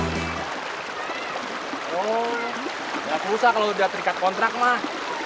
bok gak usah kalo udah terikat kontrak mah